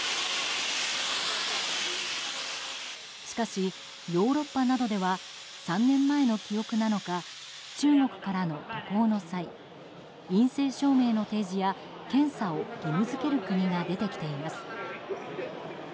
しかし、ヨーロッパなどでは３年前の記憶なのか中国からの渡航の際陰性証明の提示や検査を義務付ける国が出てきています。